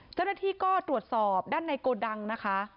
เจ้าหน้าที่ก็ตรวจสอบด้านในโกดังนะคะ